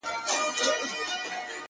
اوس یې پر پېچومو د کاروان حماسه ولیکه!.